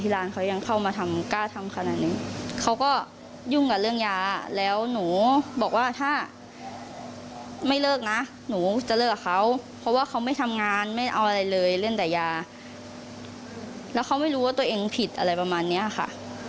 แล้วเขาไม่รู้ว่าตัวเองผิดอะไรประมาณนี้ค่ะ